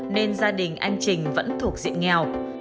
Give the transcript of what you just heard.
nên gia đình anh trình vẫn thuộc diện nghèo